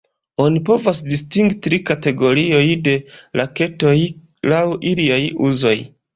Oni povas distingi tri kategorioj de raketoj laŭ iliaj uzoj.